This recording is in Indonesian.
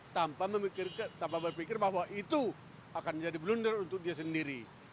tanpa berpikir bahwa itu akan menjadi blunder untuk dia sendiri